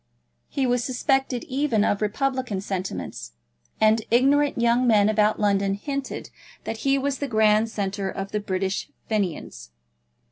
He was suspected even of republican sentiments, and ignorant young men about London hinted that he was the grand centre of the British Fenians.